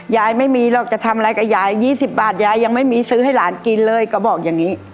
ยายไม่มีหรอกจะทำอะไรกับยาย๒๐บาทยายยังไม่มีซื้อให้หลานกินเลยก็บอกอย่างนี้